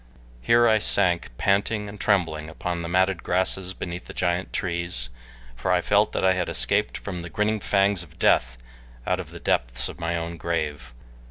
Here I sank panting and trembling upon the matted grasses beneath the giant trees, for I felt that I had escaped from the grinning fangs of death out of the depths of my own grave.